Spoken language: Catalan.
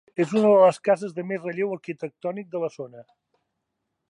És una de les cases de més relleu arquitectònic de la zona.